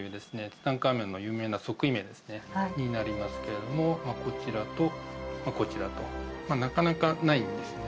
ツタンカーメンの有名な即位名ですねになりますけれどもこちらとこちらとなかなかないんですね